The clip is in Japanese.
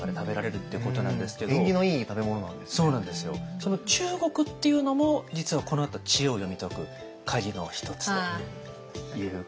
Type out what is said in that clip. その中国っていうのも実はこのあと知恵を読み解く鍵の一つということなんですね。